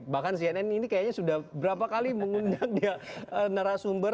bahkan cnn ini kayaknya sudah berapa kali mengundang narasumber